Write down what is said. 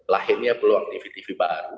lahirnya peluang tv baru